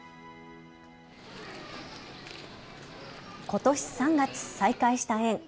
ことし３月、再開した園。